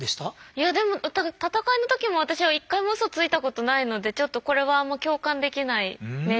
いやでも戦いの時も私は一回もウソついたことないのでちょっとこれはあんま共感できない名言です。